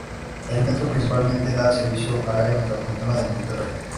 El Metro principalmente da servicio al área metropolitana de Monterrey.